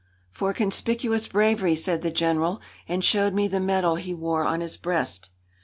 "For conspicuous bravery!" said the General, and showed me the medal he wore on his breast.